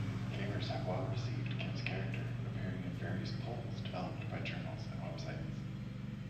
Gamers have well-received Kim's character, appearing in various polls developed by journals and websites.